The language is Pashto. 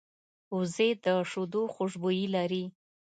وزې د شیدو خوشبويي لري